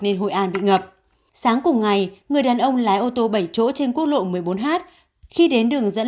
nên hội an bị ngập sáng cùng ngày người đàn ông lái ô tô bảy chỗ trên quốc lộ một mươi bốn h khi đến đường dẫn